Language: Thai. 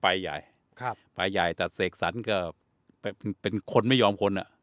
ไปใหญ่ครับไปใหญ่แต่เสกสรรก็เป็นคนไม่ยอมคนอ่ะ